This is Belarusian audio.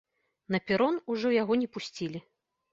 На перон ужо яго не пусцілі.